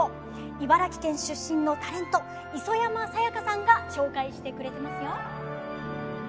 茨城県出身のタレント磯山さやかさんが紹介してくれてますよ。